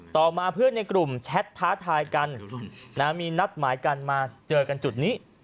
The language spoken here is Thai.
ต่อมาเพื่อนในกลุ่มแชทท้าทายกันมีนัดหมายกันมาเจอกันจุดนี้